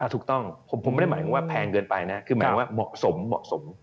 ถูกต้องผมไม่ได้หมายความว่าแพงเกินไปนะคือหมายความว่าเหมาะสม